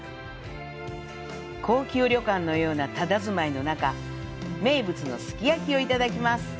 高級旅館のようなたたずまいの中、名物の「寿き焼」をいただきます。